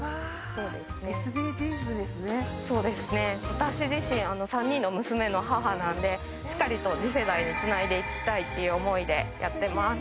私自身３人の娘の母なんでしっかりと次世代につないでいきたいっていう思いでやってます